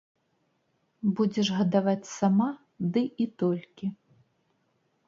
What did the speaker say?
Будзеш гадаваць сама, ды і толькі.